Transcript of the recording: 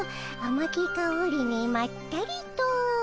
まきかおりにまったりと」。